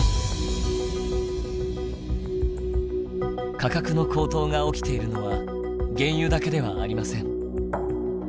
価格の高騰が起きているのは原油だけではありません。